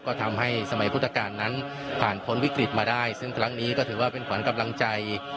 ก็ทำให้สมัยพุทธกาลนั้นผ่านพ้นวิกฤตมาได้ซึ่งครั้งนี้ก็ถือว่าเป็นขวัญกำลังใจ